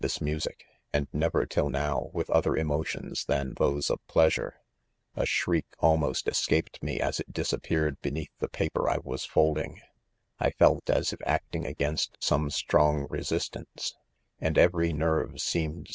this music, and never till now, with other emotions than those/of pleasure, y A shriek almost escaped me as it disappeared beneath the paper 1. was folding. I felt as if acting against some strong resistance, and every nerve seemed.